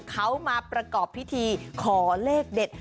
เขามาประกอบพิธีขอเลขเด็ด